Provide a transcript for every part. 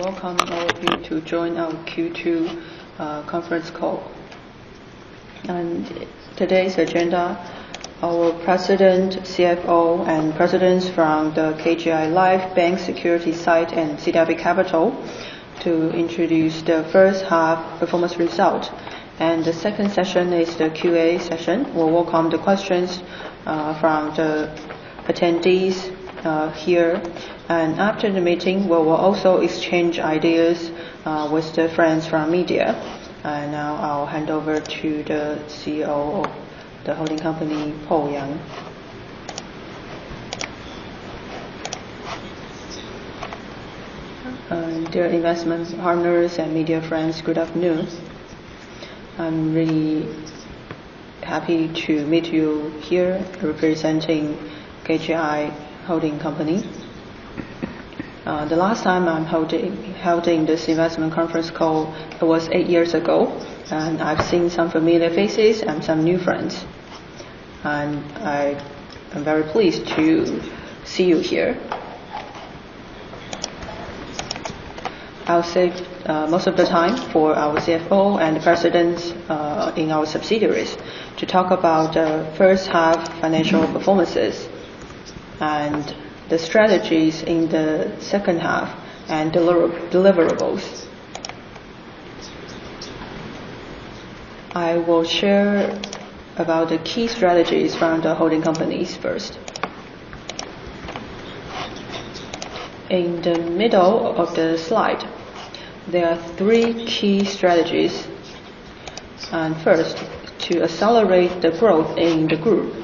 Today's agenda, our president, CFO, and presidents from the KGI Life, Bank, Securities side, and CDIB Capital to introduce the first half performance result. The second session is the Q&A session. We will welcome the questions from the attendees here. After the meeting, we will also exchange ideas with the friends from media. Now I'll hand over to the CEO of the holding company, Po-Yang. Dear investment partners and media friends, good afternoon. I'm really happy to meet you here representing KGI Financial Holding Co. The last time I'm holding this investment conference call, it was 8 years ago, and I've seen some familiar faces and some new friends. I am very pleased to see you here. I'll save most of the time for our CFO and presidents in our subsidiaries to talk about the first half financial performances and the strategies in the second half and deliverables. I will share about the key strategies from the holding companies first. In the middle of the slide, there are three key strategies. First, to accelerate the growth in the group.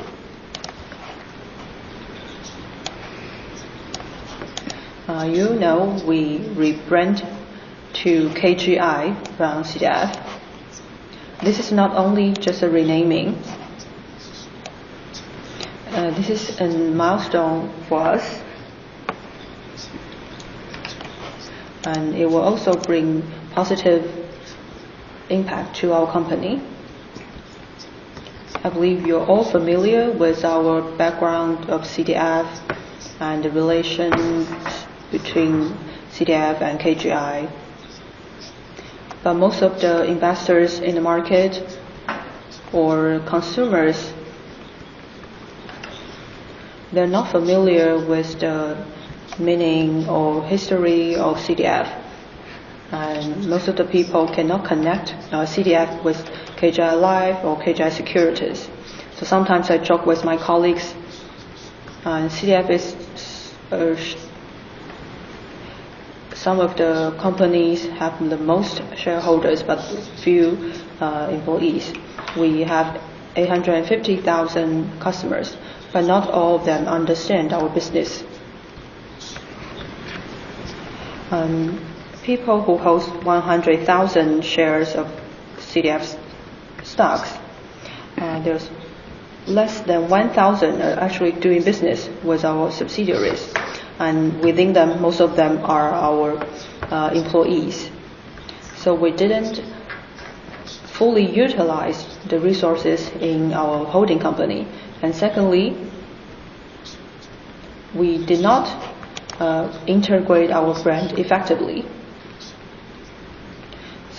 You know we rebrand to KGI from CDF. This is not only just a renaming, this is a milestone for us, and it will also bring positive impact to our company. I believe you're all familiar with our background of CDF and the relations between CDF and KGI. Most of the investors in the market or consumers, they're not familiar with the meaning or history of CDF. Most of the people cannot connect CDF with KGI Life or KGI Securities. Sometimes I joke with my colleagues, CDF is some of the companies having the most shareholders but few employees. We have 850,000 customers, but not all of them understand our business. People who hold 100,000 shares of CDF's stocks, and there's less than 1,000 are actually doing business with our subsidiaries, and within them, most of them are our employees. We didn't fully utilize the resources in our holding company. Secondly, we did not integrate our brand effectively.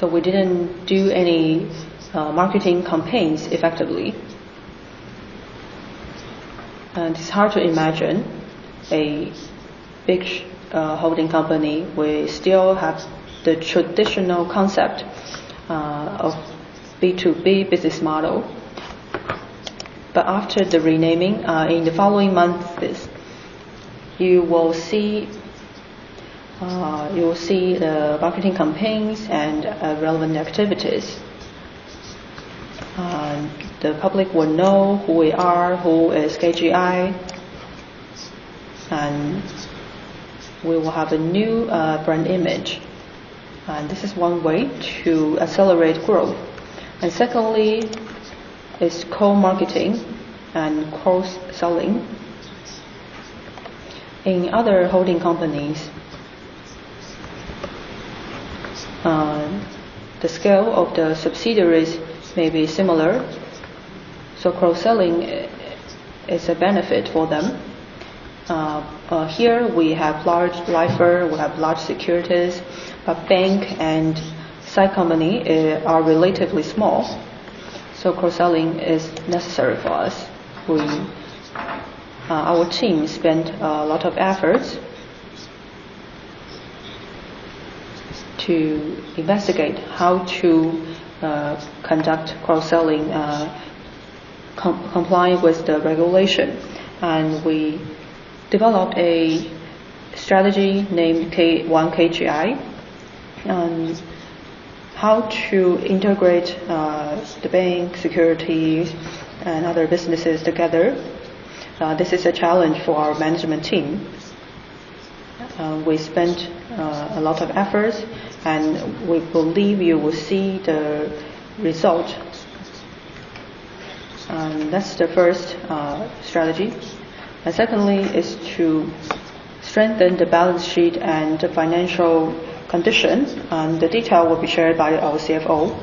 We didn't do any marketing campaigns effectively. It's hard to imagine a big holding company will still have the traditional concept of B2B business model. After the renaming, in the following months, you will see the marketing campaigns and relevant activities. The public will know who we are, who is KGI, and we will have a new brand image. This is one way to accelerate growth. Secondly is co-marketing and cross-selling. In other holding companies, the scale of the subsidiaries may be similar, so cross-selling is a benefit for them. Here we have large lifer, we have large securities, but bank and CDIB Capital are relatively small, so cross-selling is necessary for us. Our team spent a lot of efforts to investigate how to conduct cross-selling compliant with the regulation, and we developed a strategy named ONE KGI, and how to integrate the bank, securities, and other businesses together. This is a challenge for our management team. We spent a lot of efforts, and we believe you will see the result. That's the first strategy. Secondly is to strengthen the balance sheet and the financial conditions. The detail will be shared by our CFO.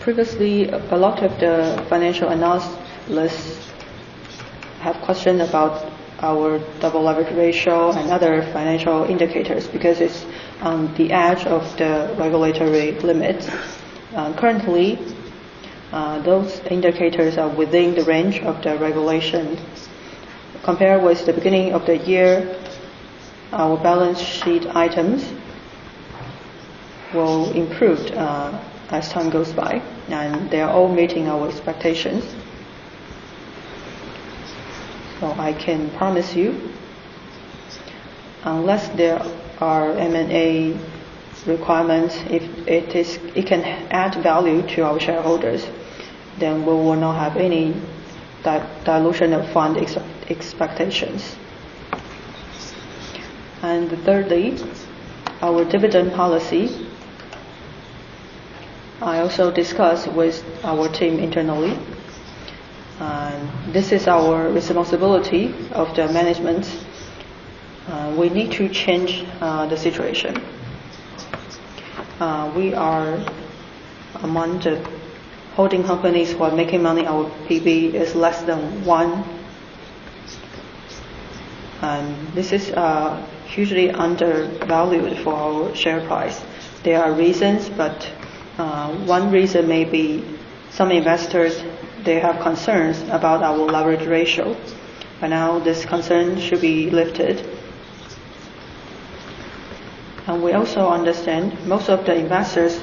Previously, a lot of the financial analysts have questioned about our double leverage ratio and other financial indicators because it is on the edge of the regulatory limits. Currently, those indicators are within the range of the regulations. Compared with the beginning of the year, our balance sheet items will improve as time goes by, and they are all meeting our expectations. I can promise you, unless there are M&A requirements, if it can add value to our shareholders, then we will not have any dilution of fund expectations. Thirdly, our dividend policy. I also discussed with our team internally. This is our responsibility of the management. We need to change the situation. We are among the holding companies who are making money. Our P/E is less than one. This is hugely undervalued for our share price. There are reasons, but one reason may be some investors, they have concerns about our leverage ratio. By now, this concern should be lifted. We also understand most of the investors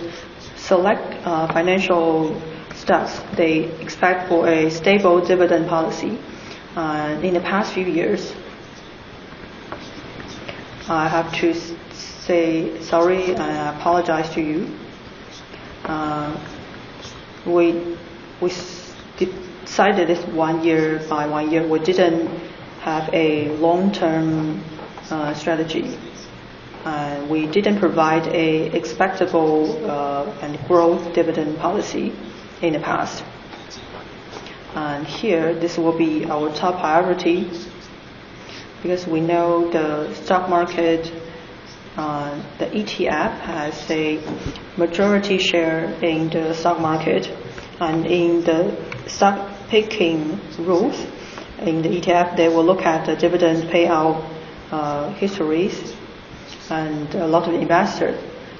select financial stocks. They expect for a stable dividend policy. In the past few years, I have to say sorry, and I apologize to you. We decided it one year by one year. We did not have a long-term strategy. We did not provide an expectable and growth dividend policy in the past. Here, this will be our top priority because we know the stock market, the ETF, has a majority share in the stock market. In the stock picking rules in the ETF, they will look at the dividend payout histories. A lot of investors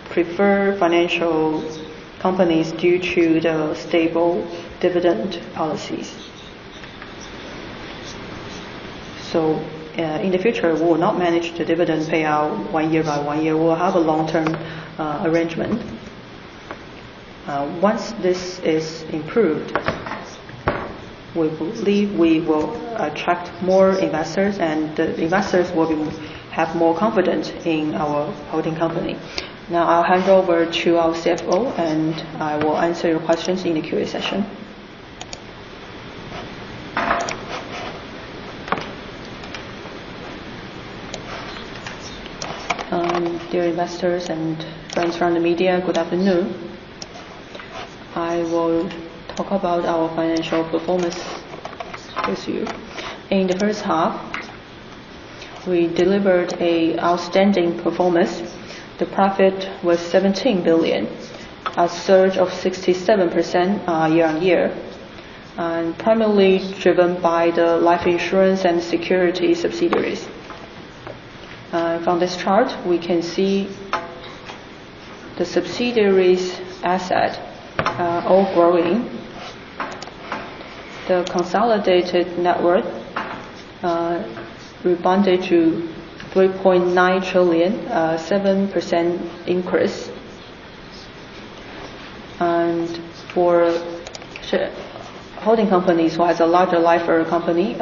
prefer financial companies due to the stable dividend policies. In the future, we will not manage the dividend payout one year by one year. We will have a long-term arrangement. Once this is improved, we believe we will attract more investors, and the investors will have more confidence in our holding company. Now I will hand over to our CFO. I will answer your questions in the Q&A session. Dear investors and friends from the media, good afternoon. I will talk about our financial performance with you. In the first half, we delivered an outstanding performance. The profit was 17 billion, a surge of 67% year-on-year, primarily driven by the life insurance and Securities subsidiaries. From this chart, we can see the subsidiaries asset all growing. The consolidated net worth rebounded to 3.9 trillion, a 7% increase. For holding companies who has a larger life insurance company,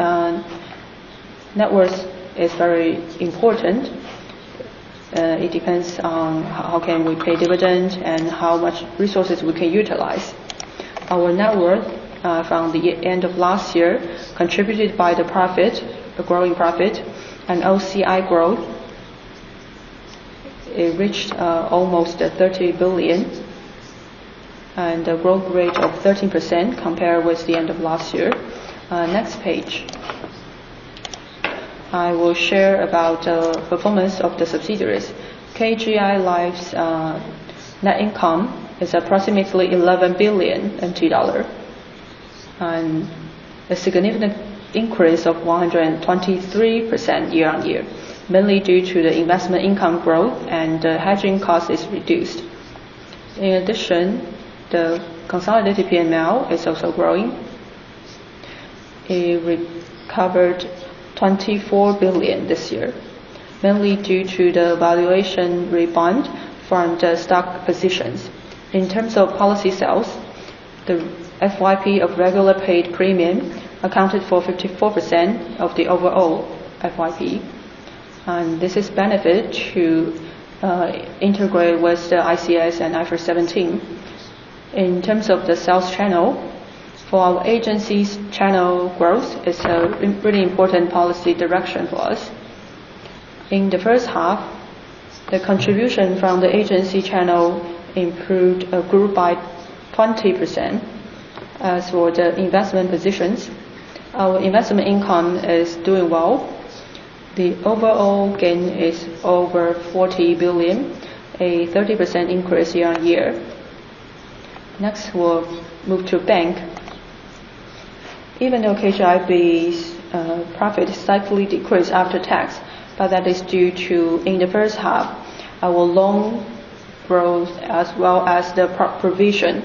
net worth is very important. It depends on how can we pay dividends and how much resources we can utilize. Our net worth from the end of last year contributed by the profit, a growing profit, and OCI growth. It reached almost 30 billion, and a growth rate of 13% compared with the end of last year. Next page. I will share about the performance of the subsidiaries. KGI Life's net income is approximately 11.2 billion NT dollar. A significant increase of 123% year-on-year, mainly due to the investment income growth and the hedging cost is reduced. In addition, the consolidated P&L is also growing. It recovered 24 billion this year, mainly due to the valuation rebound from the stock positions. In terms of policy sales, the FYP of regular paid premium accounted for 54% of the overall FYP. This is benefit to integrate with the IFRS and IFRS 17. In terms of the sales channel, for our agencies channel growth is a really important policy direction for us. In the first half, the contribution from the agency channel improved or grew by 20%. As for the investment positions, our investment income is doing well. The overall gain is over 40 billion, a 30% increase year-on-year. We'll move to KGI Bank. Even though KGI Bank's profit slightly decreased after tax, that is due to in the first half, our loan growth as well as the provision.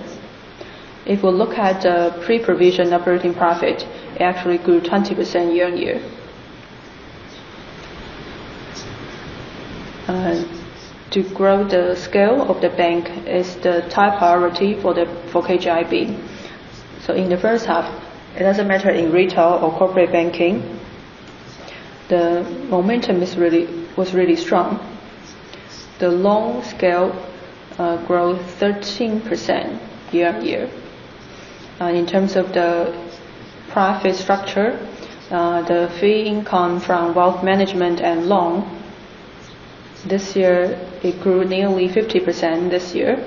If we look at the pre-provision operating profit, it actually grew 20% year-on-year. To grow the scale of the bank is the top priority for KGI Bank. In the first half, it doesn't matter in retail or corporate banking, the momentum was really strong. The loan scale grew 13% year-on-year. In terms of the profit structure, the fee income from wealth management and loan, it grew nearly 50% this year.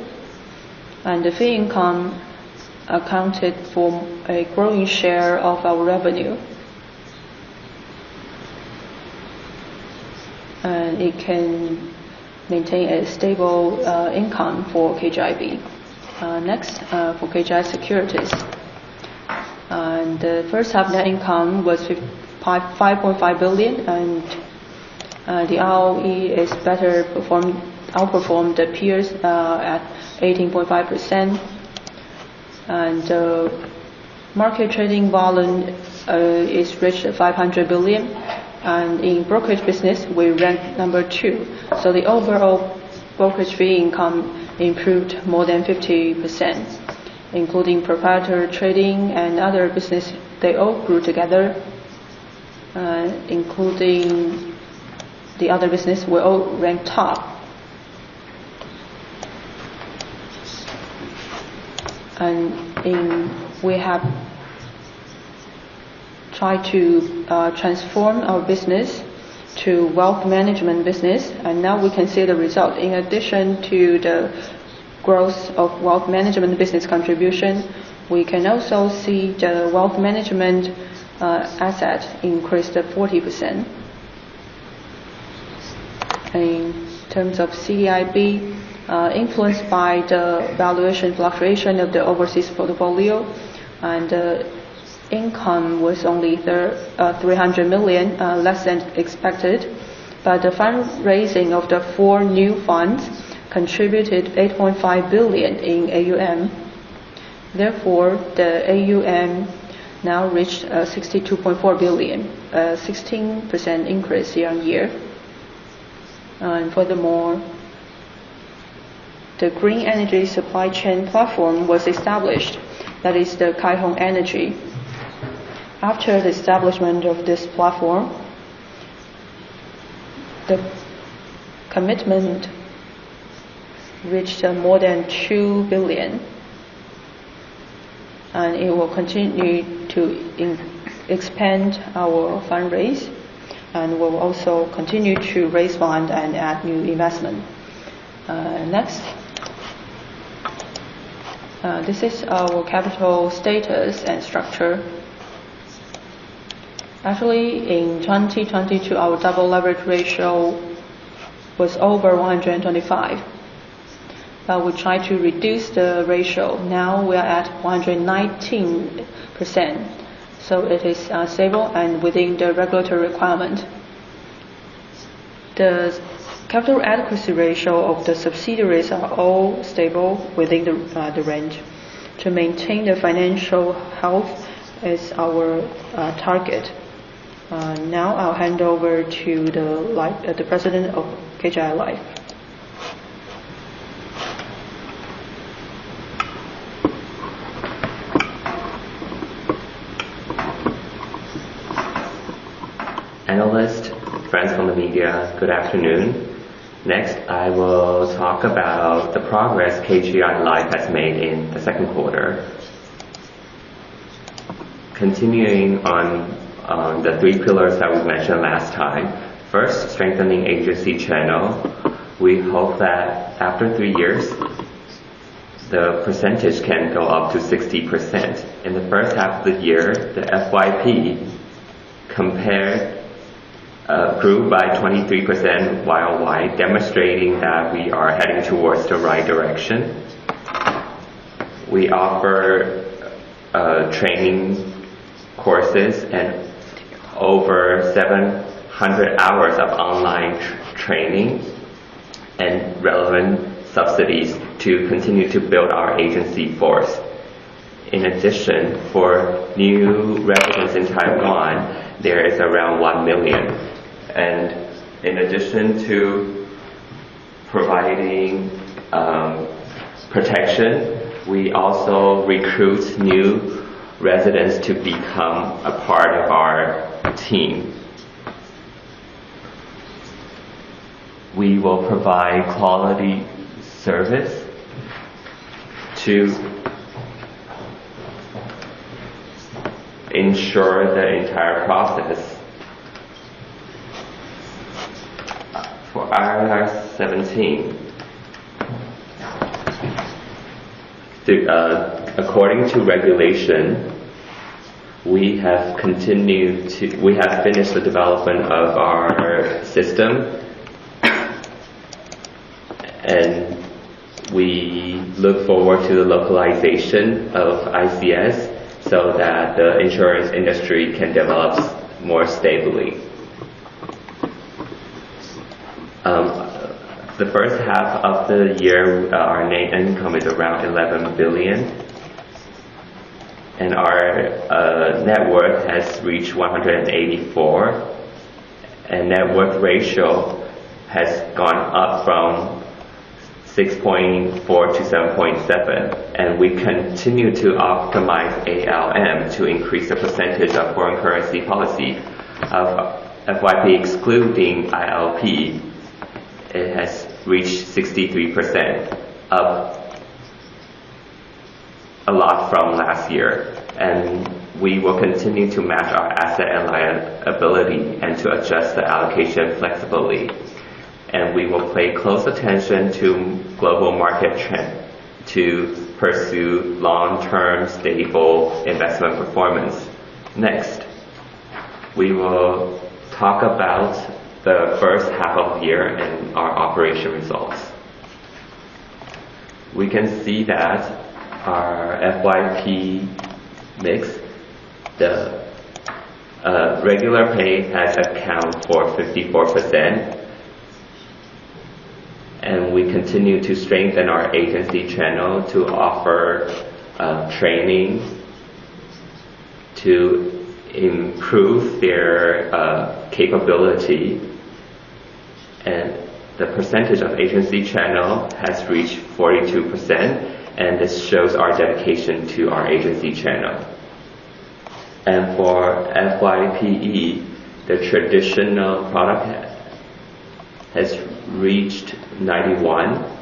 The fee income accounted for a growing share of our revenue. It can maintain a stable income for KGI Bank. For KGI Securities. In the first half, net income was 5.5 billion, the ROE outperformed the peers at 18.5%. The market trading volume has reached 500 billion, in brokerage business, we ranked number two, the overall brokerage fee income improved more than 50%, including proprietary trading and other business, they all grew together, including the other business, we all ranked top. We have tried to transform our business to wealth management business, and now we can see the result. In addition to the growth of wealth management business contribution, we can also see the wealth management asset increased at 40%. In terms of CDIB, influenced by the valuation fluctuation of the overseas portfolio, the income was only 300 million, less than expected. The fundraising of the four new funds contributed 8.5 billion in AUM. Therefore, the AUM now reached 62.4 billion, a 16% increase year-on-year. Furthermore, the green energy supply chain platform was established, that is the Kai-Hong Energy. After the establishment of this platform, the commitment reached more than 2 billion. It will continue to expand our fundraise, we will also continue to raise fund and add new investment. This is our capital status and structure. Actually, in 2022, our double leverage ratio was over 125. We tried to reduce the ratio. Now we are at 119%, it is stable and within the regulatory requirement. The capital adequacy ratio of the subsidiaries are all stable within the range. To maintain the financial health is our target. I'll hand over to the president of KGI Life. Analysts, friends from the media, good afternoon. Next, I will talk about the progress KGI Life has made in the second quarter. Continuing on the three pillars that we mentioned last time. First, strengthening agency channel. We hope that after three years, the percentage can go up to 60%. In the first half of the year, the FYP grew by 23% YoY, demonstrating that we are heading towards the right direction. We offer training courses and over 700 hours of online training, and relevant subsidies to continue to build our agency force. For new residents in Taiwan, there is around one million. In addition to providing protection, we also recruit new residents to become a part of our team. We will provide quality service to ensure the entire process. For IFRS 17 according to regulation, we have finished the development of our system. We look forward to the localization of ICS so that the insurance industry can develop more stably. The first half of the year, our net income is around 11 billion. Our net worth has reached 184, and net worth ratio has gone up from 6.4% to 7.7%. We continue to optimize ALM to increase the percentage of foreign currency policy of FYP excluding ILP. It has reached 63%, up a lot from last year. We will continue to match our asset and liability and to adjust the allocation flexibly. We will pay close attention to global market trend to pursue long-term stable investment performance. Next, we will talk about the first half of the year and our operation results. We can see that our FYP mix, the regular pay, has accounted for 54%. We continue to strengthen our agency channel to offer training to improve their capability. The percentage of agency channel has reached 42%, and this shows our dedication to our agency channel. For FYPE, the traditional product has reached 91%.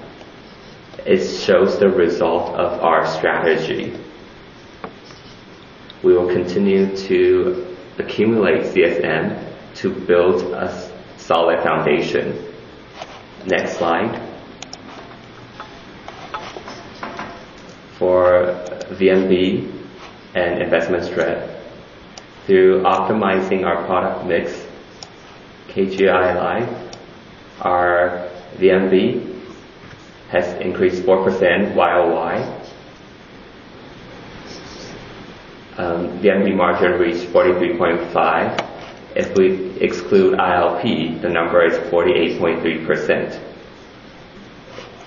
It shows the result of our strategy. We will continue to accumulate CSM to build a solid foundation. Next slide. For VNB and investment spread, through optimizing our product mix, KGI Life, our VNB has increased 4% YoY. VNB margin reached 43.5%. If we exclude ILP, the number is 48.3%.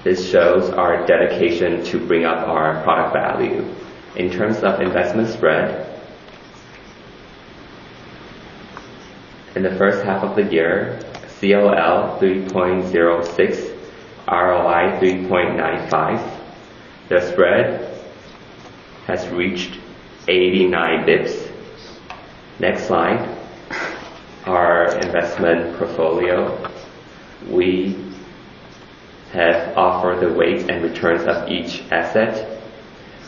This shows our dedication to bring up our product value. In terms of investment spread, in the first half of the year, COL 3.06%, ROI 3.95%, the spread has reached 89 basis points. Next slide. Our investment portfolio, we have offered the weight and returns of each asset.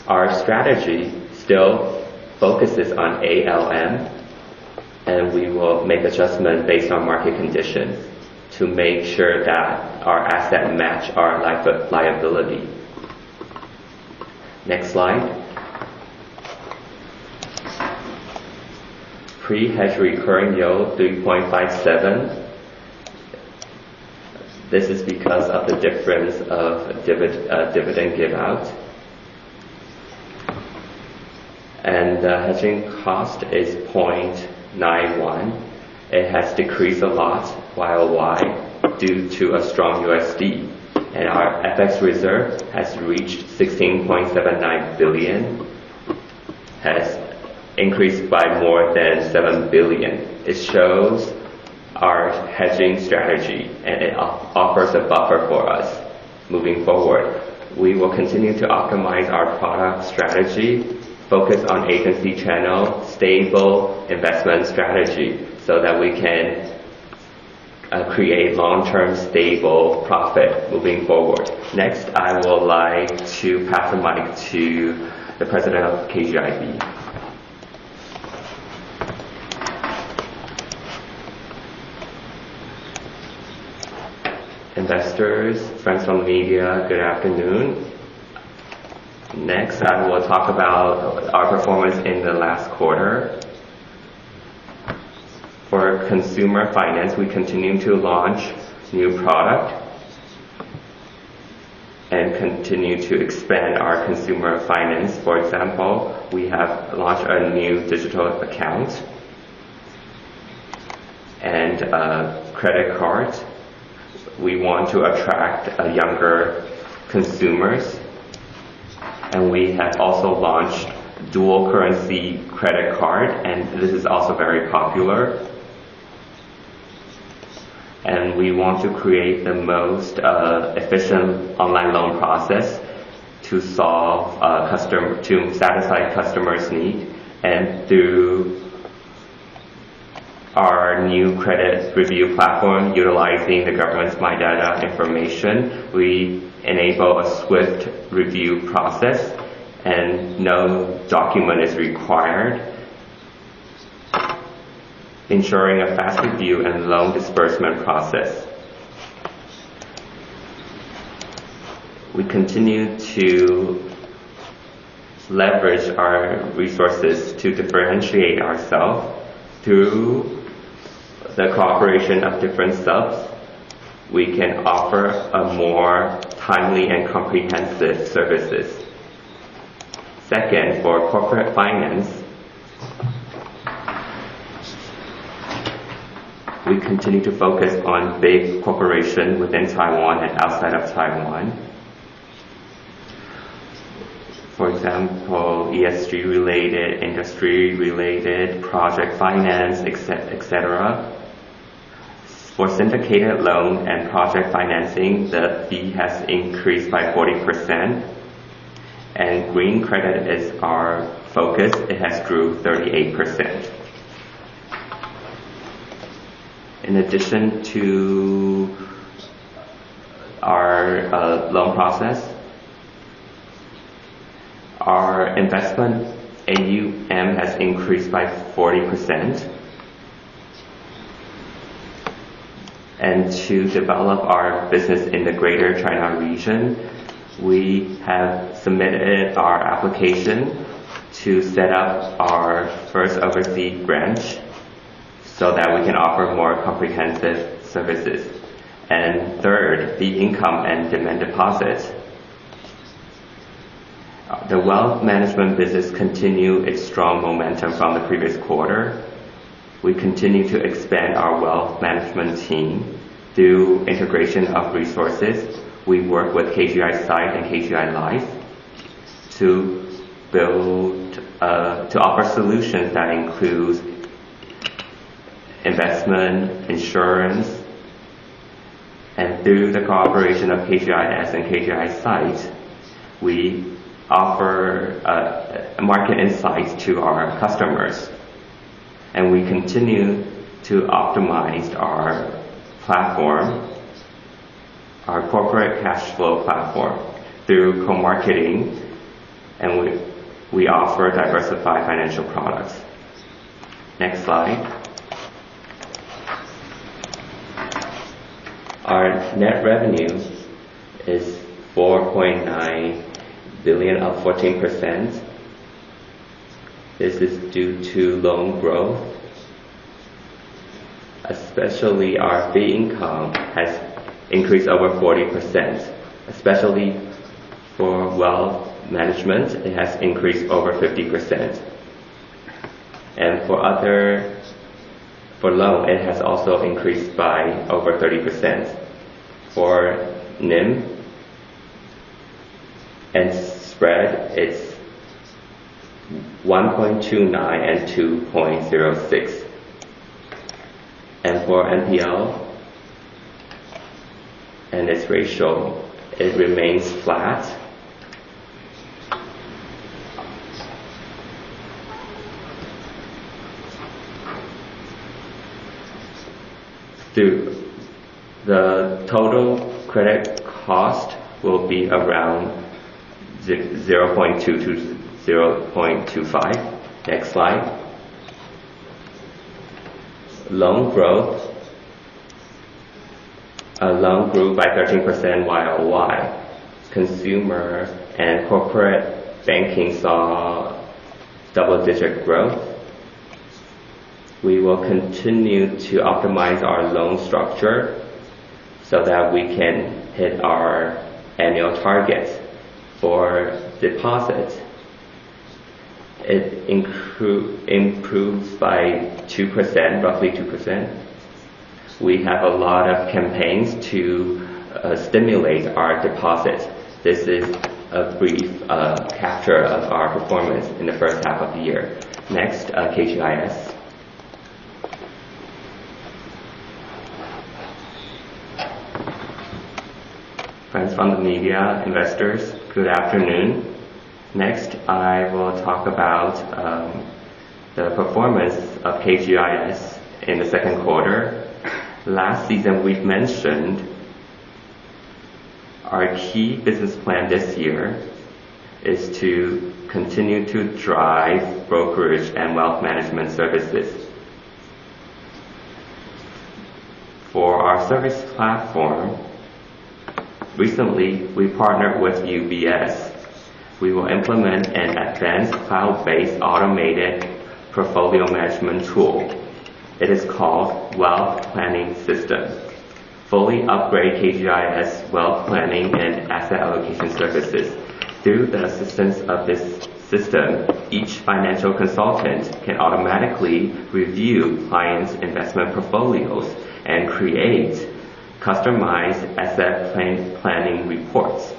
Our strategy still focuses on ALM. We will make adjustment based on market conditions to make sure that our asset match our life of liability. Next slide. Pre-hedge recurring yield 3.57%. This is because of the difference of dividend give out. The hedging cost is 0.91%. It has decreased a lot YoY due to a strong USD. Our FX reserve has reached 16.79 billion, has increased by more than 7 billion. It shows our hedging strategy. It offers a buffer for us moving forward. We will continue to optimize our product strategy, focus on agency channel, stable investment strategy so that we can create long-term stable profit moving forward. Next, I will like to pass the mic to the President of KGI Bank. Investors, friends from media, good afternoon. Next, I will talk about our performance in the last quarter. For consumer finance, we continue to launch new product and continue to expand our consumer finance. For example, we have launched a new digital account and a credit card. We want to attract younger consumers. We have also launched dual currency credit card, and this is also very popular. We want to create the most efficient online loan process to satisfy customers' need. Through our new credit review platform, utilizing the government's MyData information, we enable a swift review process and no document is required. Ensuring a fast review and loan disbursement process. We continue to leverage our resources to differentiate ourselves through the cooperation of different subs. We can offer more timely and comprehensive services. Second, for corporate finance, we continue to focus on big corporations within Taiwan and outside of Taiwan. For example, ESG-related, industry-related, project finance, et cetera. For syndicated loan and project financing, the fee has increased by 40%, and green credit is our focus. It has grown 38%. In addition to our loan process, our investment AUM has increased by 40%. To develop our business in the Greater China Region, we have submitted our application to set up our first overseas branch so that we can offer more comprehensive services. Third, fee income and demand deposits. The wealth management business continue its strong momentum from the previous quarter. We continue to expand our wealth management team through integration of resources. We work with KGI SITE and KGI Life to offer solutions that include investment, insurance. Through the cooperation of KGIS and KGI SITE, we offer market insights to our customers. We continue to optimize our corporate cash flow platform through co-marketing. We offer diversified financial products. Next slide. Our net revenue is 4.9 billion, up 14%. This is due to loan growth, especially our fee income has increased over 40%, especially for wealth management, it has increased over 50%. For loan, it has also increased by over 30%. For NIM and spread, it's 1.29% and 2.06%. For NPL and its ratio, it remains flat. The total credit cost will be around 0.2%-0.25%. Next slide. Loan growth. Loan grew by 13% year-over-year. Consumer and corporate banking saw double-digit growth. We will continue to optimize our loan structure so that we can hit our annual targets. For deposits, it improved by roughly 2%. We have a lot of campaigns to stimulate our deposits. This is a brief capture of our performance in the first half of the year. Next, KGIS. Friends from the media, investors, good afternoon. Next, I will talk about the performance of KGIS in the second quarter. Last season, we've mentioned our key business plan this year is to continue to drive brokerage and wealth management services. For our service platform, recently, we partnered with UBS. We will implement an advanced cloud-based automated portfolio management tool. It is called Wealth Planning System, fully upgrade KGIS wealth planning and asset allocation services. Through the assistance of this system, each financial consultant can automatically review clients' investment portfolios and create customized asset planning reports.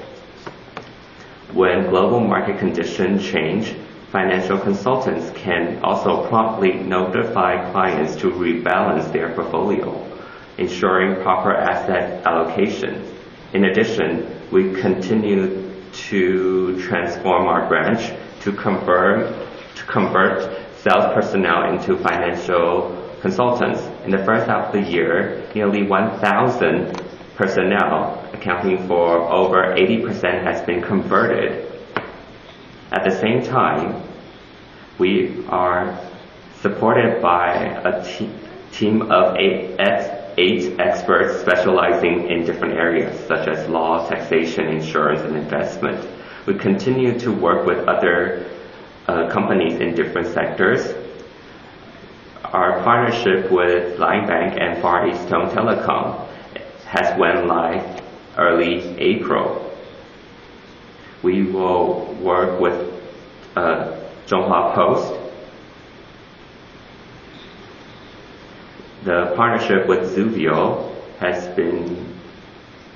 When global market conditions change, financial consultants can also promptly notify clients to rebalance their portfolio, ensuring proper asset allocation. We continue to transform our branch to convert sales personnel into financial consultants. In the first half of the year, nearly 1,000 personnel, accounting for over 80%, has been converted. At the same time, we are supported by a team of eight experts specializing in different areas, such as law, taxation, insurance, and investment. We continue to work with other companies in different sectors. Our partnership with LINE Bank and Far EasTone Telecommunications has went live early April. We will work with Chunghwa Post. The partnership with Xuvio has been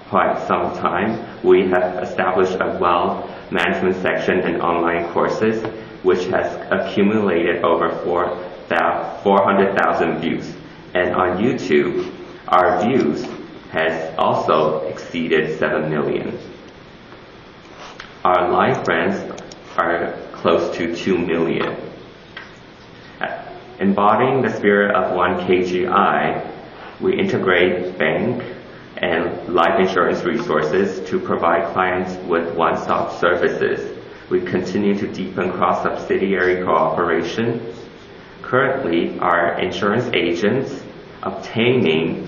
quite some time. We have established a wealth management section and online courses, which has accumulated over 400,000 views. On YouTube, our views has also exceeded 7 million. Our LINE friends are close to 2 million. Embodying the spirit of ONE KGI, we integrate bank and life insurance resources to provide clients with one-stop services. We continue to deepen cross-subsidiary cooperation. Currently, our insurance agents obtaining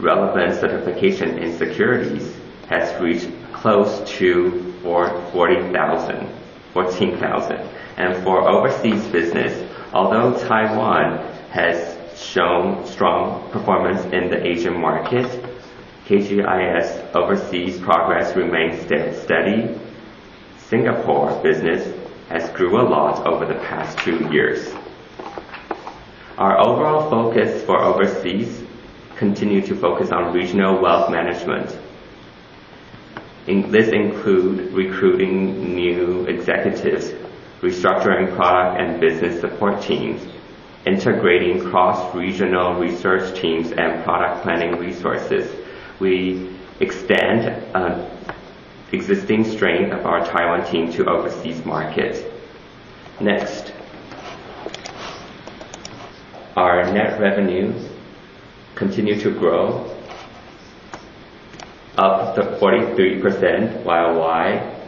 relevant certification in securities has reached close to 14,000. For overseas business, although Taiwan has shown strong performance in the Asian market, KGI's overseas progress remains steady. Singapore business has grew a lot over the past 2 years. Our overall focus for overseas continue to focus on regional wealth management, this include recruiting new executives, restructuring product and business support teams, integrating cross-regional research teams and product planning resources. We extend existing strength of our Taiwan team to overseas markets. Next. Our net revenues continue to grow, up to 43% YoY.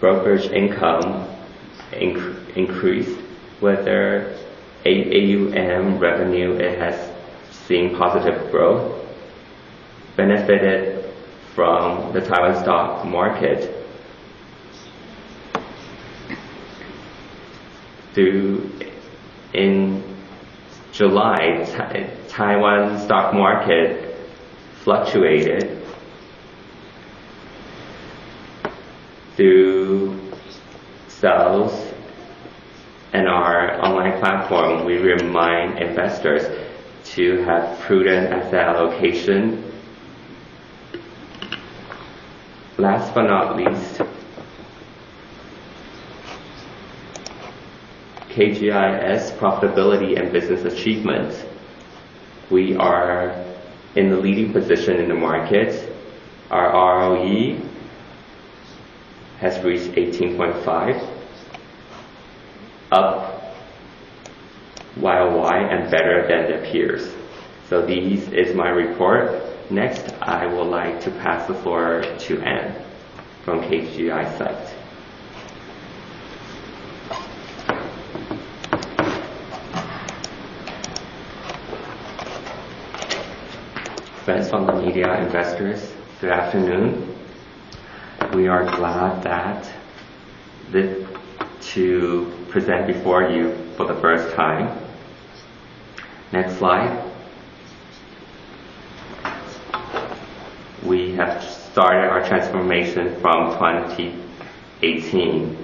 Brokerage income increased. AUM revenue, it has seen positive growth, benefited from the Taiwan stock market. In July, Taiwan stock market fluctuated through sells. In our online platform, we remind investors to have prudent asset allocation. Last but not least, KGI's profitability and business achievement. We are in the leading position in the market. Our ROE has reached 18.5, up YoY and better than their peers. This is my report. Next, I would like to pass the floor to Ann from KGI SITE. Friends from the media, investors, good afternoon. We are glad to present before you for the first time. Next slide. We have started our transformation from 2018,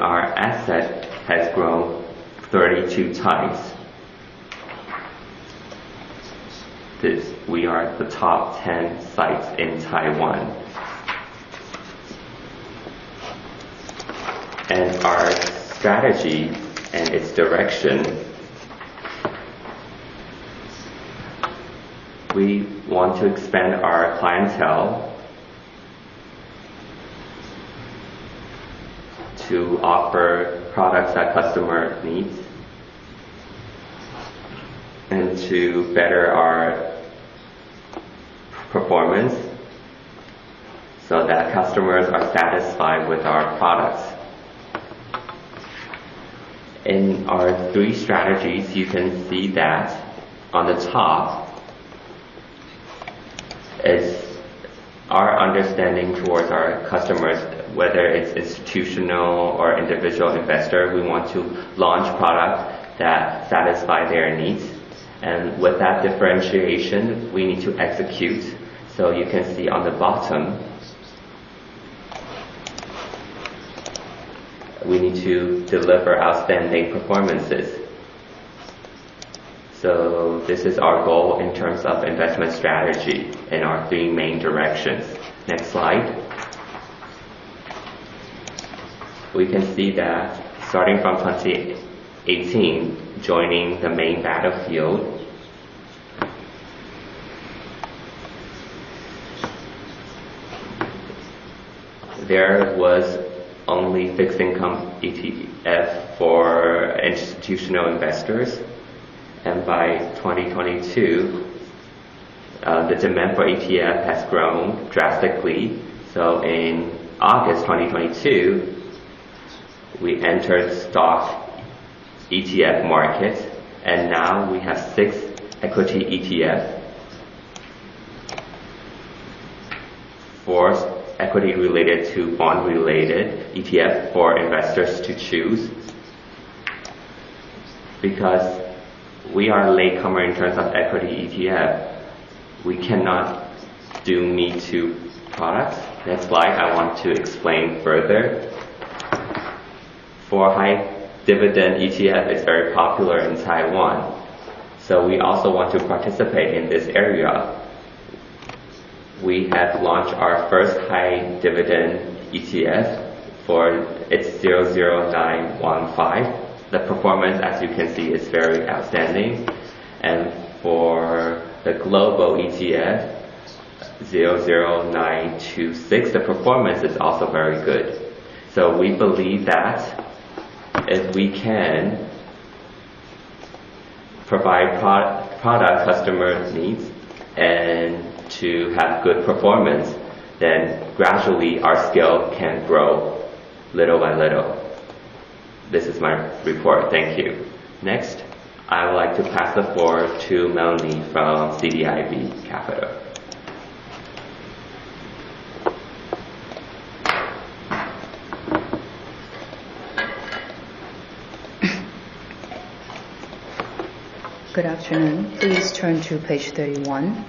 our asset has grown 32 times. This, we are the top 10 SITEs in Taiwan. Our strategy and its direction, we want to expand our clientele, to offer products that customer needs, and to better our performance so that customers are satisfied with our products. In our 3 strategies, you can see that on the top is our understanding towards our customers, whether it's institutional or individual investor, we want to launch product that satisfy their needs. With that differentiation, we need to execute. You can see on the bottom, we need to deliver outstanding performances. This is our goal in terms of investment strategy and our 3 main directions. Next slide. We can see that starting from 2018, joining the main battlefield, there was only fixed income ETF for institutional investors. By 2022, the demand for ETF has grown drastically. In August 2022, we entered stock ETF market, and now we have 6 equity ETF. Fourth, equity related to bond related ETF for investors to choose. Because we are a latecomer in terms of equity ETF, we cannot do me-too products. That's why I want to explain further. High dividend ETF, it is very popular in Taiwan, we also want to participate in this area. We have launched our first high dividend ETF 00915. The performance, as you can see, is very outstanding. For the global ETF, 00926, the performance is also very good. We believe that if we can provide product customer needs and to have good performance, gradually our scale can grow little by little. This is my report. Thank you. Next, I would like to pass the floor to Melanie from CDIB Capital. Good afternoon. Please turn to page 31.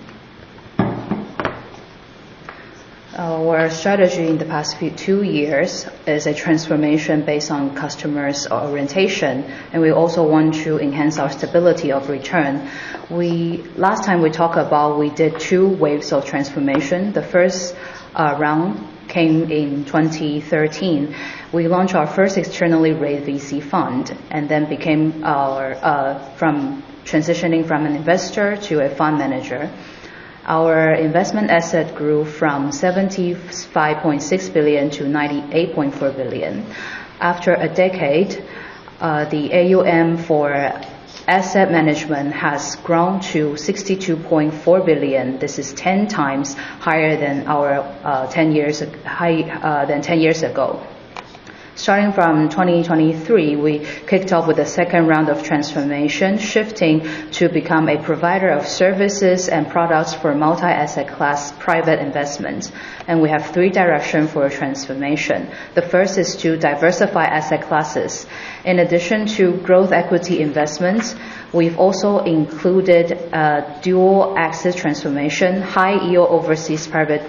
Our strategy in the past two years is a transformation based on customers' orientation, we also want to enhance our stability of return. Last time we talk about we did two waves of transformation. The first round came in 2013. We launched our first externally rated VC fund, transitioning from an investor to a fund manager. Our investment asset grew from 75.6 billion to 98.4 billion. After a decade, the AUM for asset management has grown to 62.4 billion. This is 10 times higher than 10 years ago. Starting from 2023, we kicked off with a second round of transformation, shifting to become a provider of services and products for multi-asset class private investments. We have three direction for transformation. The first is to diversify asset classes. In addition to growth equity investments, we have also included dual asset transformation, high yield overseas private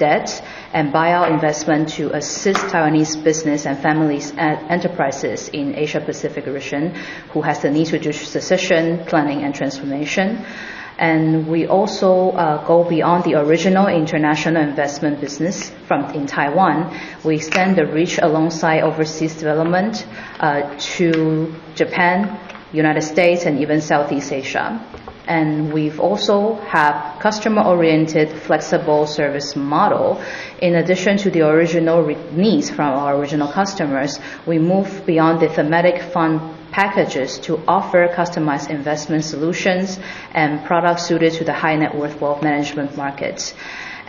debt, and buyout investment to assist Taiwanese business and families enterprises in Asia Pacific region who has the need to do succession planning and transformation. We also go beyond the original international investment business in Taiwan. We extend the reach alongside overseas development to Japan, United States, and even Southeast Asia. We have also have customer-oriented, flexible service model. In addition to the original needs from our original customers, we move beyond the thematic fund packages to offer customized investment solutions and products suited to the high net worth wealth management markets.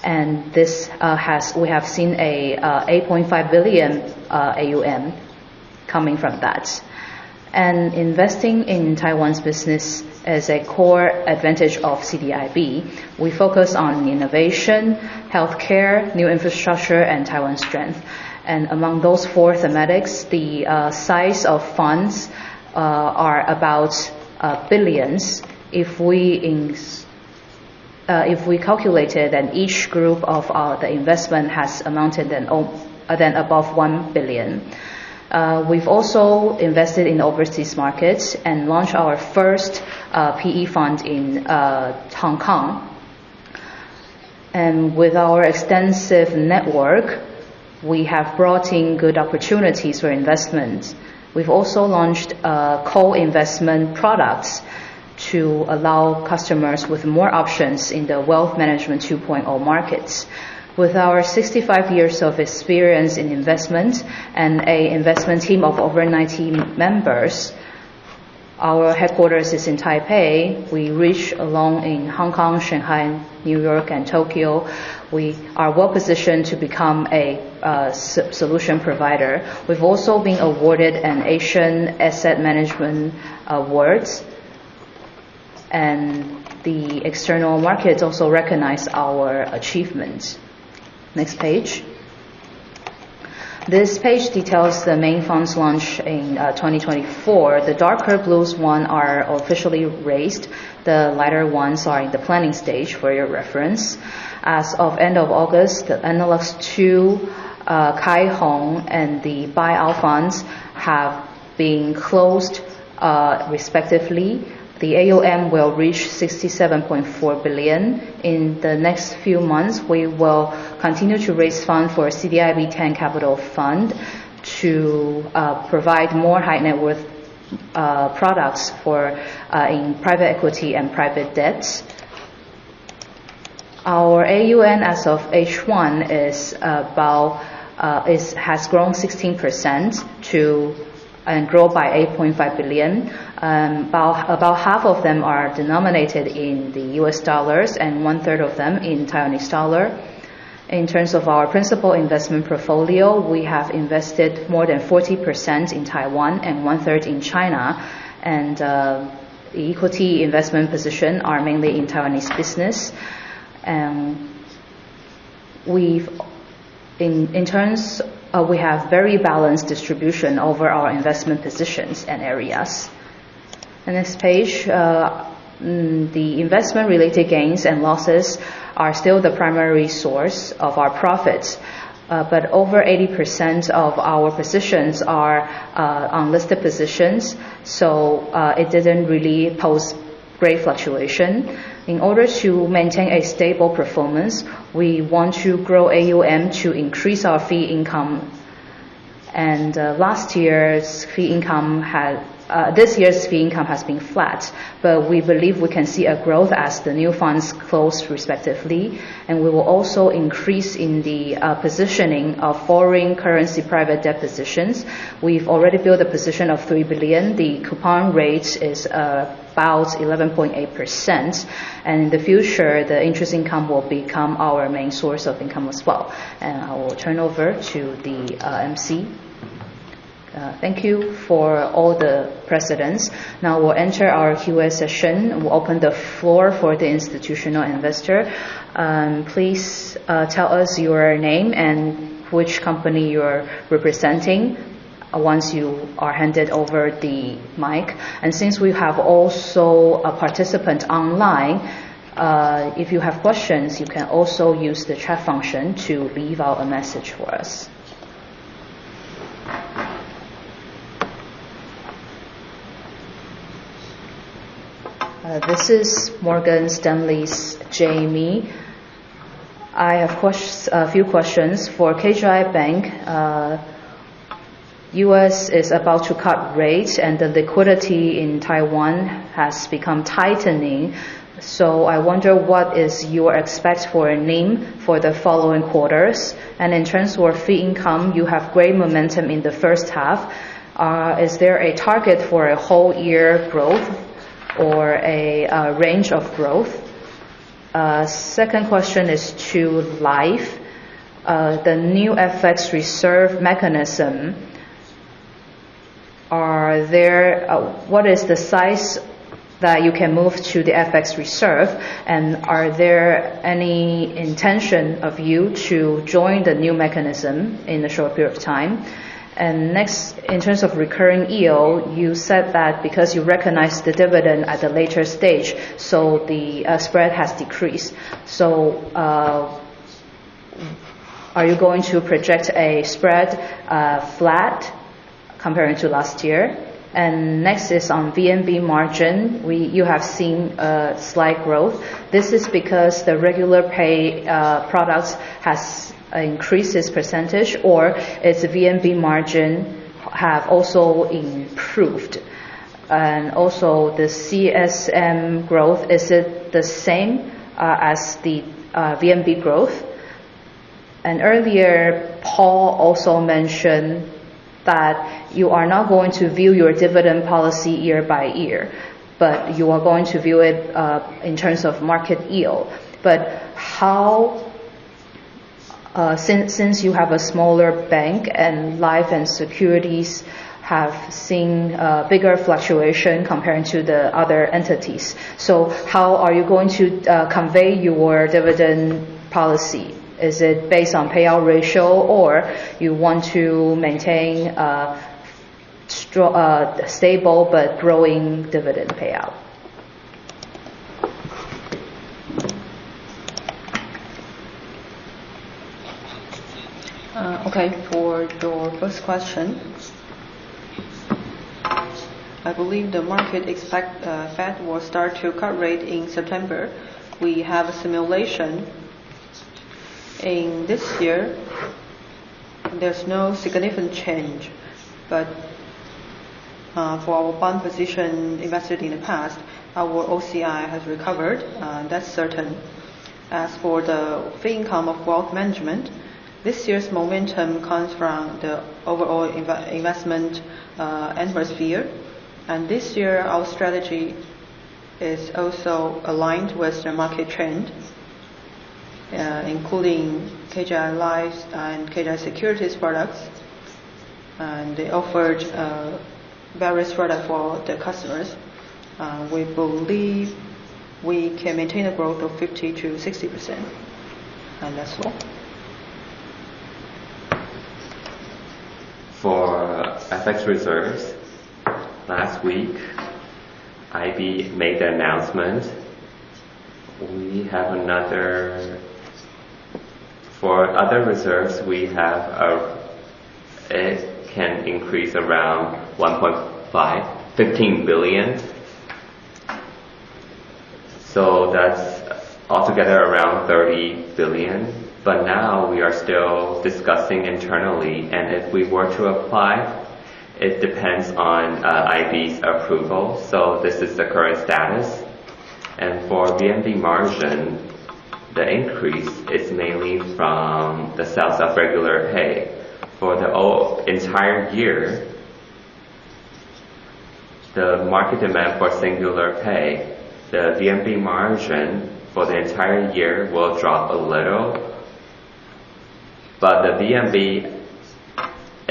We have seen a 8.5 billion AUM coming from that. Investing in Taiwan's business is a core advantage of CDIB. We focus on innovation, healthcare, new infrastructure, and Taiwan strength. Among those four thematics, the size of funds are about billions. If we calculated and each group of the investment has amounted above 1 billion. We have also invested in overseas markets and launched our first PE fund in Hong Kong. With our extensive network, we have brought in good opportunities for investment. We have also launched co-investment products to allow customers with more options in the Wealth Management 2.0 markets. With our 65 years of experience in investment and a investment team of over 90 members, our headquarters is in Taipei. We reach along in Hong Kong, Shanghai, New York, and Tokyo. We are well-positioned to become a solution provider. We have also been awarded an Asian Asset Management Awards. The external markets also recognize our achievement. Next page. This page details the main funds launch in 2024. The darker blues one are officially raised. The lighter ones are in the planning stage, for your reference. As of end of August, the Analix 2, Kai-Hong, and the buyout funds have been closed, respectively. The AUM will reach 67.4 billion. In the next few months, we will continue to raise fund for CDIB-TEN Capital Fund to provide more high net worth products in private equity and private debt. Our AUM as of H1 has grown 16% and grow by 8.5 billion. About half of them are denominated in the U.S. dollars, and one-third of them in Taiwanese dollar. In terms of our principal investment portfolio, we have invested more than 40% in Taiwan and one-third in China. The equity investment position are mainly in Taiwanese business. We have very balanced distribution over our investment positions and areas. The next page, the investment-related gains and losses are still the primary source of our profits. Over 80% of our positions are unlisted positions, so it doesn't really pose great fluctuation. In order to maintain a stable performance, we want to grow AUM to increase our fee income. This year's fee income has been flat, but we believe we can see a growth as the new funds close respectively, and we will also increase in the positioning of foreign currency private debt positions. We've already built a position of 3 billion. The coupon rate is about 11.8%, and in the future, the interest income will become our main source of income as well. I will turn over to the MC. Thank you for all the precedents. Now we'll enter our Q&A session, and we'll open the floor for the institutional investor. Please tell us your name and which company you're representing once you are handed over the mic. Since we have also a participant online, if you have questions, you can also use the chat function to leave a message for us. This is Morgan Stanley's Jamie. I have a few questions for KGI Bank. U.S. is about to cut rates, and the liquidity in Taiwan has become tightening, so I wonder what is your expect for NIM for the following quarters? In terms for fee income, you have great momentum in the first half. Is there a target for a whole year growth or a range of growth? Second question is to life. The new FX reserve mechanism, what is the size that you can move to the FX reserve? Are there any intention of you to join the new mechanism in a short period of time? Next, in terms of recurring yield, you said that because you recognized the dividend at a later stage, so the spread has decreased. Are you going to project a spread flat comparing to last year? Next is on VNB margin. You have seen a slight growth. This is because the regular pay products has increased its percentage, or its VNB margin have also improved. Also, the CSM growth, is it the same as the VNB growth? Earlier, Paul also mentioned that you are not going to view your dividend policy year by year, but you are going to view it in terms of market yield. Since you have a smaller bank, and life and securities have seen a bigger fluctuation comparing to the other entities. How are you going to convey your dividend policy? Is it based on payout ratio, or you want to maintain a stable but growing dividend payout? For your first question, I believe the market expect Fed will start to cut rate in September. We have a simulation in this year. There's no significant change, but for our bond position invested in the past, our OCI has recovered. That's certain. As for the fee income of Wealth Management, this year's momentum comes from the overall investment atmosphere. This year, our strategy is also aligned with the market trend, including KGI Life's and KGI Securities products. They offered various product for the customers. We believe we can maintain a growth of 50%-60%, and that's all. For FX reserves, last week, FSC made the announcement. For other reserves, it can increase around 15 billion. That's altogether around 30 billion. Now we are still discussing internally, if we were to apply, it depends on FSC's approval. This is the current status. For VNB margin, the increase is mainly from the sales of regular pay. For the entire year, the market demand for singular pay, the VNB margin for the entire year will drop a little, but the VNB,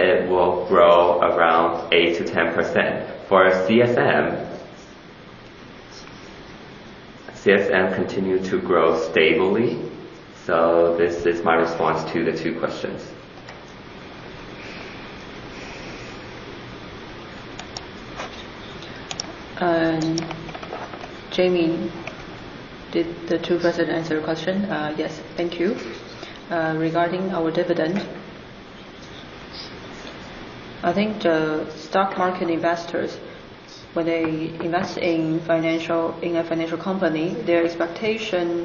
it will grow around 8%-10%. For CSM continue to grow stably. This is my response to the two questions. Jamie, did the two persons answer your question? Yes. Thank you. Regarding our dividend, I think the stock market investors, when they invest in a financial company, their expectation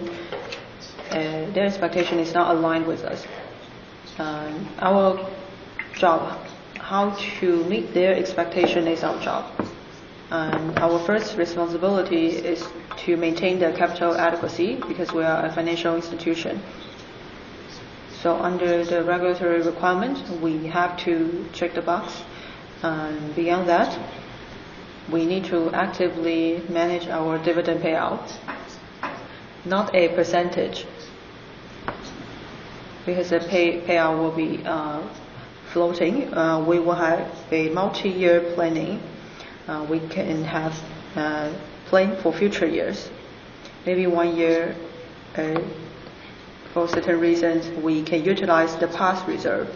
is not aligned with us. How to meet their expectation is our job. Our first responsibility is to maintain the capital adequacy because we are a financial institution. Under the regulatory requirement, we have to check the box, beyond that, we need to actively manage our dividend payouts, not a percentage. Because the payout will be floating, we will have a multi-year planning. We can have plan for future years, maybe one year, for certain reasons, we can utilize the past reserve.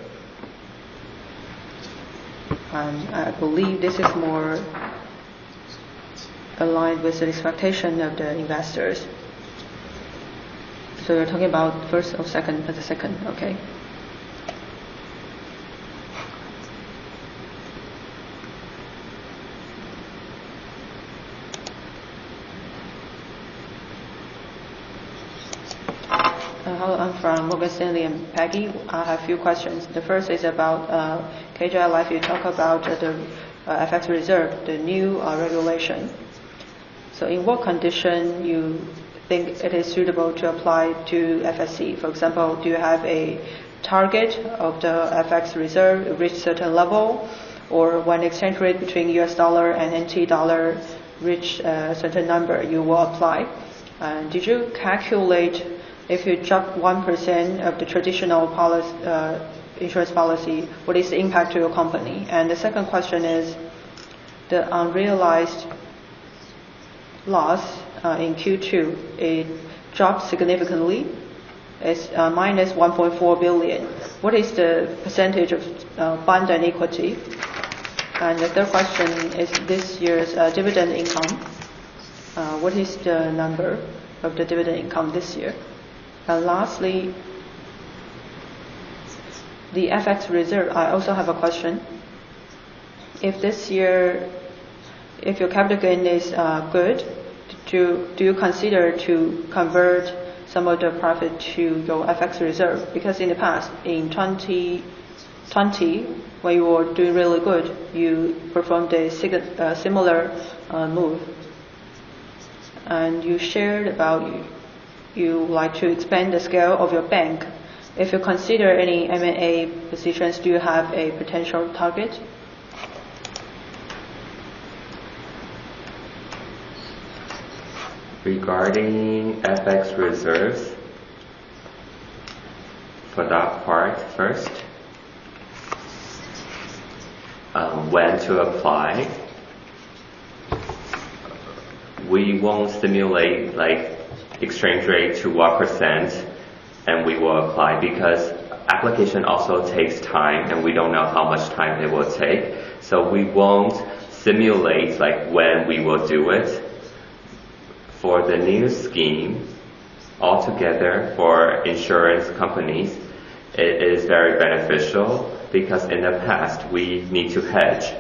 I believe this is more aligned with the expectation of the investors. You're talking about first or second? The second, okay. Hello, I'm from Morgan Stanley. I'm Peggy. I have a few questions. The first is about KGI Life. You talk about the FX reserve, the new regulation. In what condition you think it is suitable to apply to FSC? For example, do you have a target of the FX reserve, reach certain level, or when exchange rate between US dollar and TWD reach a certain number, you will apply? Did you calculate if you drop 1% of the traditional insurance policy, what is the impact to your company? The second question is, the unrealized loss in Q2, it dropped significantly. It's minus 1.4 billion. What is the percentage of bond and equity? The third question is this year's dividend income. What is the number of the dividend income this year? Lastly, the FX reserve, I also have a question. If this year, your capital gain is good, do you consider to convert some of the profit to your FX reserves? In the past, in 2020, when you were doing really good, you performed a similar move, and you shared about you like to expand the scale of your bank. If you consider any M&A positions, do you have a potential target? Regarding FX reserves, for that part first, when to apply, we won't simulate exchange rate to what % and we will apply, because application also takes time, and we don't know how much time it will take. We won't simulate when we will do it. For the new scheme, altogether for insurance companies, it is very beneficial because in the past, we need to hedge.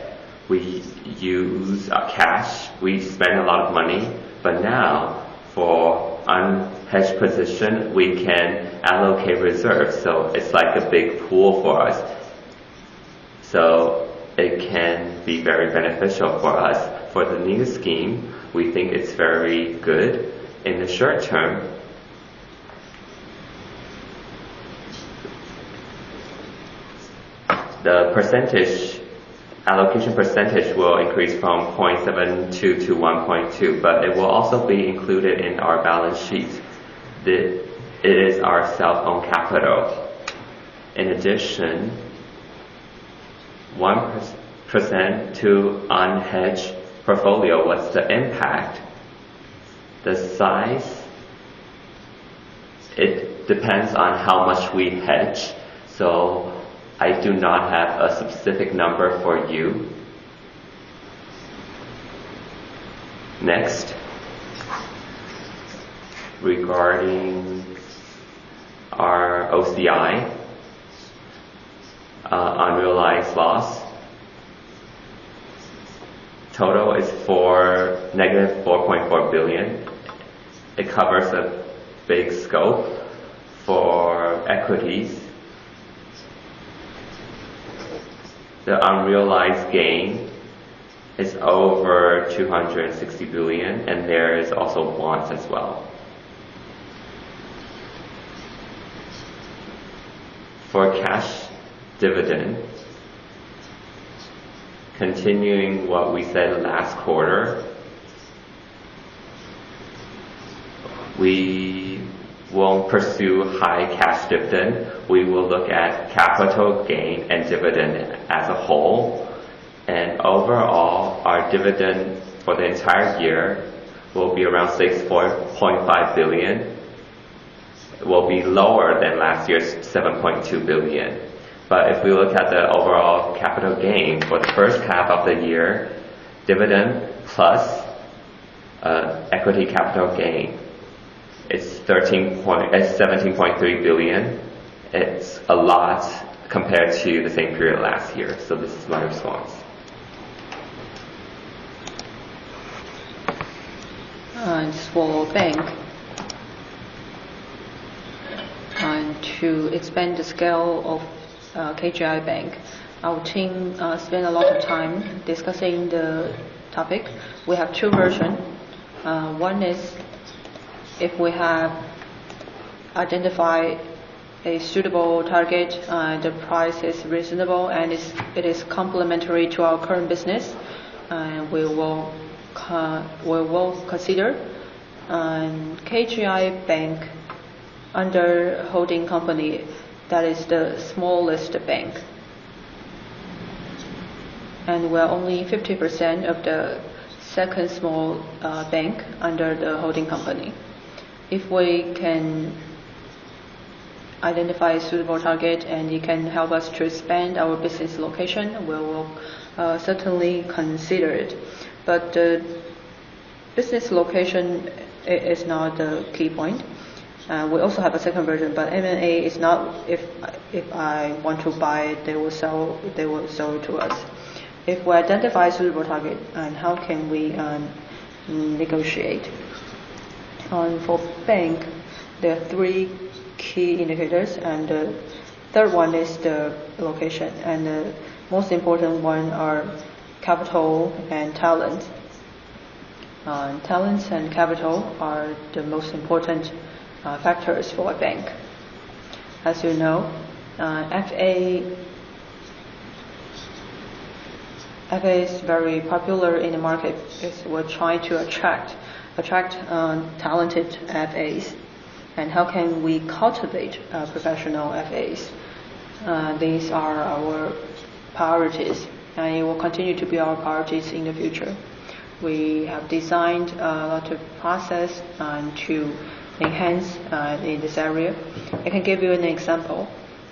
We use cash, we spend a lot of money, but now, for unhedged position, we can allocate reserves, so it's like a big pool for us. It can be very beneficial for us. For the new scheme, we think it's very good. In the short term, the allocation percentage will increase from 0.72% to 1.2%, but it will also be included in our balance sheet. It is our self-owned capital. In addition, 1% to unhedged portfolio, what's the impact? The size, it depends on how much we hedge, so I do not have a specific number for you. Next, regarding our OCI, unrealized loss, total is negative 4.4 billion. It covers a big scope for equities. The unrealized gain is over 260 billion, and there is also bonds as well. For cash dividend, continuing what we said last quarter, we won't pursue high cash dividend. We will look at capital gain and dividend as a whole, and overall, our dividend for the entire year will be around 6.5 billion, will be lower than last year's 7.2 billion. If we look at the overall capital gain for the first half of the year, dividend plus equity capital gain is 17.3 billion. It's a lot compared to the same period last year. This is my response. As for bank, to expand the scale of KGI Bank, our team spent a lot of time discussing the topic. We have two version. One is if we have identified a suitable target, the price is reasonable, and it is complementary to our current business, we will consider. KGI Bank under holding company, that is the smallest bank. We're only 50% of the second small bank under the holding company. If we can identify a suitable target and it can help us to expand our business location, we will certainly consider it. The business location is not the key point. We also have a second version, but M&A is not if I want to buy it, they will sell it to us. If we identify a suitable target, and how can we negotiate? For bank, there are three key indicators, and the third one is the location. The most important one are capital and talent. Talent and capital are the most important factors for a bank. As you know, FA is very popular in the market, we're trying to attract talented FAs, and how can we cultivate professional FAs? These are our priorities, and it will continue to be our priorities in the future. We have designed a lot of process to enhance in this area. I can give you an example.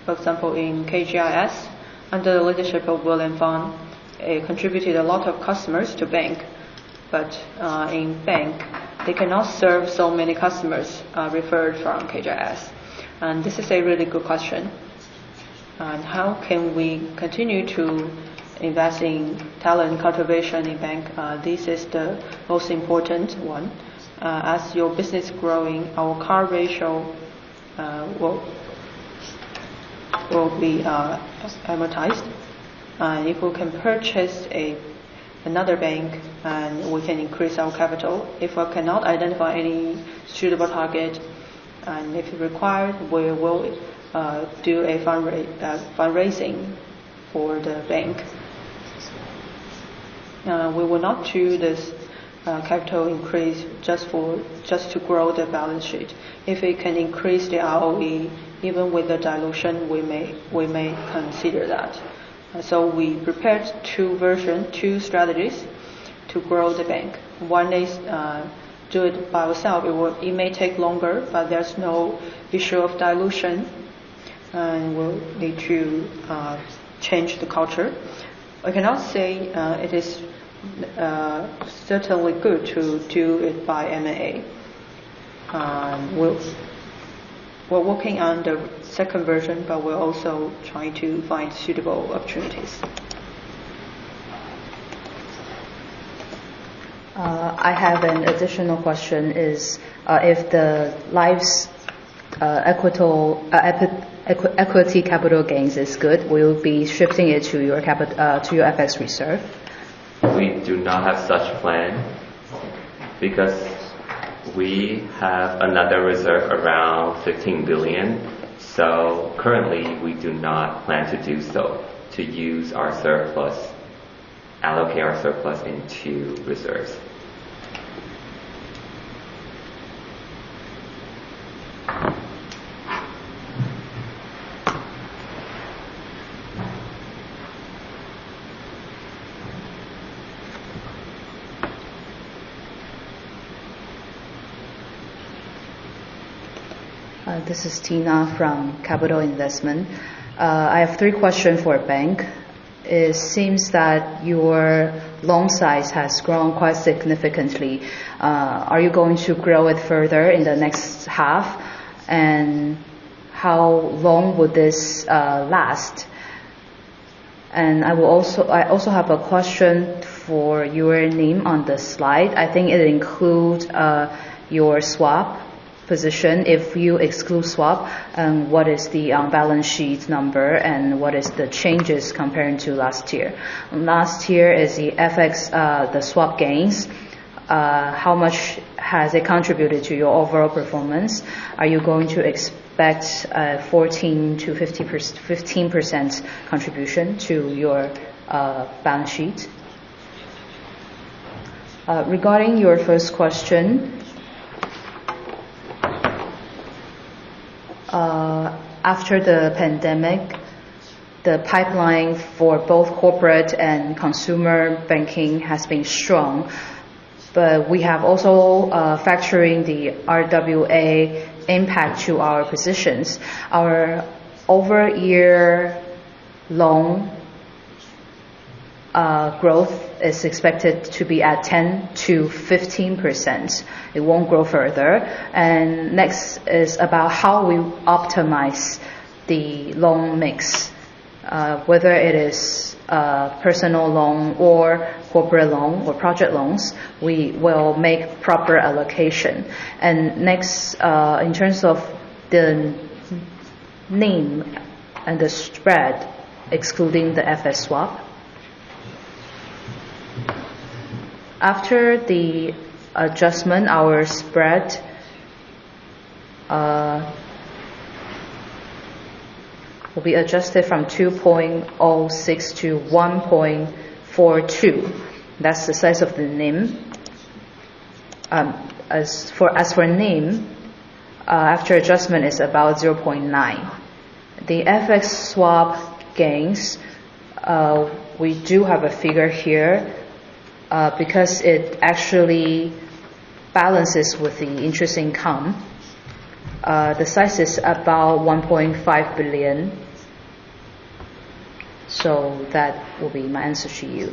For example, in KGIS, under the leadership of William Fong, it contributed a lot of customers to bank. In bank, they cannot serve so many customers referred from KGIS. This is a really good question. How can we continue to invest in talent cultivation in bank? This is the most important one. As your business growing, our CAR ratio will be affected. If we can purchase another bank, we can increase our capital. If we cannot identify any suitable target, and if required, we will do a fundraising for the bank. We will not do this capital increase just to grow the balance sheet. If it can increase the ROE, even with the dilution, we may consider that. We prepared two version, two strategies to grow the bank. One is do it by ourself. It may take longer, but there's no issue of dilution, and we'll need to change the culture. I cannot say it is certainly good to do it by M&A. We're working on the second version, but we're also trying to find suitable opportunities. I have an additional question, is if the life's equity capital gains is good, will you be shifting it to your FX reserves? We do not have such plan because we have another reserve around 15 billion. Currently, we do not plan to do so, to use our surplus, allocate our surplus into reserves. This is Tina from Capital Investment. I have three question for bank. It seems that your loan size has grown quite significantly. Are you going to grow it further in the next half, and how long would this last? I also have a question for your NIM on the slide. I think it includes your swap position. If you exclude swap, what is the balance sheet number and what is the changes comparing to last year? Last year is the FX, the swap gains. How much has it contributed to your overall performance? Are you going to expect 14%-15% contribution to your balance sheet? Regarding your first question, after the pandemic, the pipeline for both corporate and consumer banking has been strong. We have also factoring the RWA impact to our positions. Our year-over-year loan growth is expected to be at 10%-15%. It won't grow further. Next is about how we optimize the loan mix, whether it is a personal loan or corporate loan or project loans, we will make proper allocation. Next, in terms of the NIM and the spread, excluding the FX swap. After the adjustment, our spread will be adjusted from 2.06 to 1.42. That's the size of the NIM. As for NIM, after adjustment, it's about 0.9. The FX swap gains, we do have a figure here, because it actually balances with the interest income. The size is about 1.5 billion. That will be my answer to you.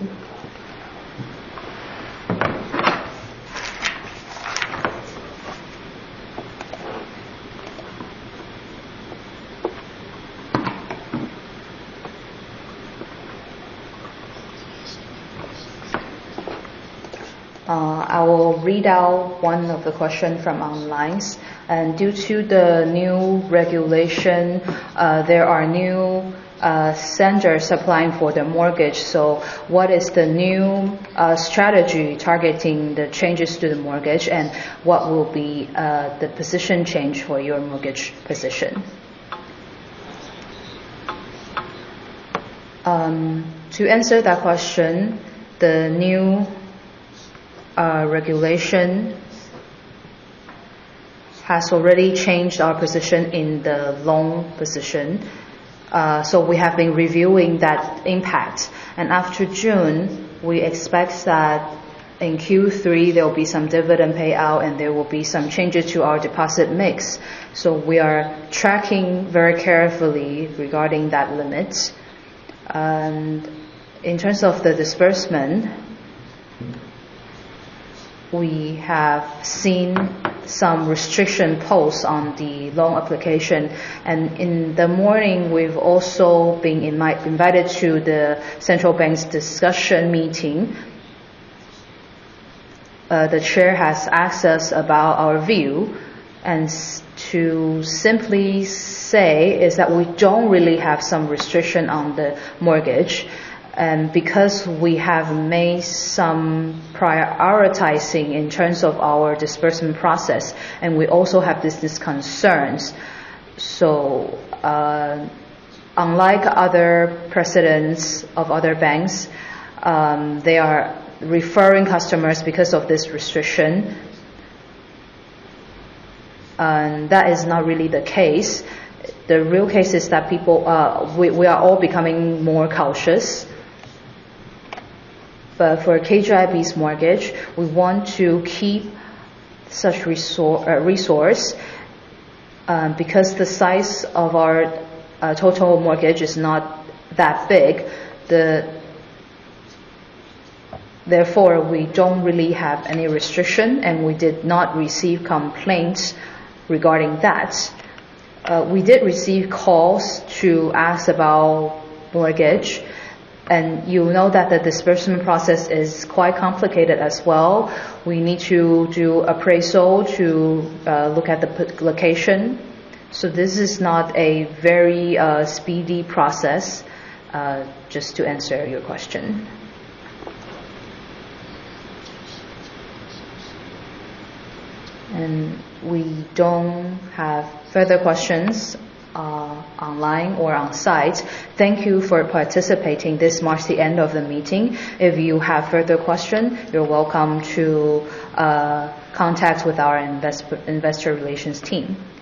I will read out one of the question from online. Due to the new regulation, there are new centers applying for the mortgage. What is the new strategy targeting the changes to the mortgage, and what will be the position change for your mortgage position? To answer that question, the new regulation has already changed our position in the loan position. We have been reviewing that impact. After June, we expect that in Q3, there will be some dividend payout, and there will be some changes to our deposit mix. We are tracking very carefully regarding that limit. In terms of the disbursement, we have seen some restriction posed on the loan application. In the morning, we've also been invited to the central bank's discussion meeting. The chair has asked us about our view. To simply say is that we don't really have some restriction on the mortgage. Because we have made some prioritizing in terms of our disbursement process, and we also have these concerns. Unlike other precedents of other banks, they are referring customers because of this restriction. That is not really the case. The real case is that we are all becoming more cautious. For KGI Bank's mortgage, we want to keep such resource, because the size of our total mortgage is not that big. Therefore, we don't really have any restriction, and we did not receive complaints regarding that. We did receive calls to ask about mortgage, and you know that the disbursement process is quite complicated as well. We need to do appraisal to look at the location. This is not a very speedy process, just to answer your question. We don't have further questions online or on site. Thank you for participating. This marks the end of the meeting. If you have further question, you are welcome to contact with our investor relations team. Thank you.